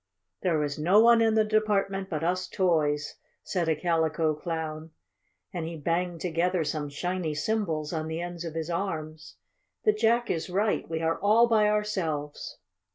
"There is no one in the department but us toys," said a Calico Clown, and he banged together some shiny cymbals on the ends of his arms. "The Jack is right we are all by ourselves."